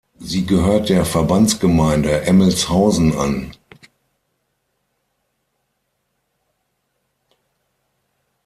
Sie gehört der Verbandsgemeinde Emmelshausen an.